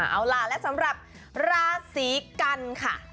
เอาล่ะและสำหรับราศีกันค่ะ